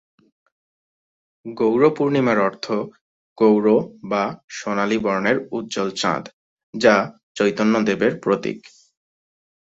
গৌর-পূর্ণিমার অর্থ '"গৌর বা সোনালী বর্ণের উজ্জ্বল চাঁদ"', যা চৈতন্যদেবের প্রতীক।